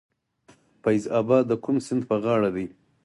فیض اباد د کوم سیند په غاړه دی؟